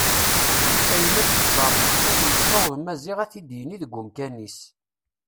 Ayen akk teẓẓar nettat yessaweḍ Maziɣ ad t-id-yini deg umkan-is.